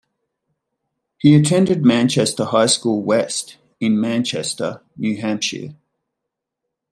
He attended Manchester High School West in Manchester, New Hampshire.